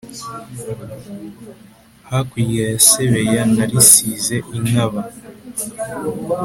hakurya ya sebeya narisize inkaba